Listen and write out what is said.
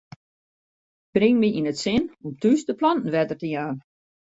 Bring my yn it sin om thús de planten wetter te jaan.